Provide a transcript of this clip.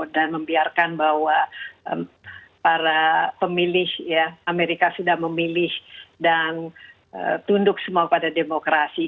dan membiarkan bahwa para pemilih amerika sudah memilih dan tunduk semua pada demokrasi